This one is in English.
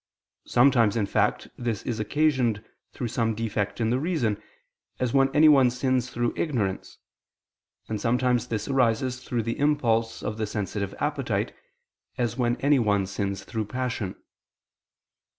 Sometimes, in fact, this is occasioned through some defect in the reason, as when anyone sins through ignorance; and sometimes this arises through the impulse of the sensitive appetite, as when anyone sins through passion.